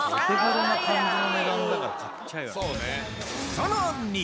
さらに。